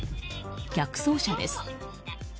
逆走車です。